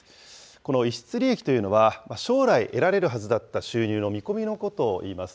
この逸失利益というのは、将来得られるはずだった収入の見込みのことをいいます。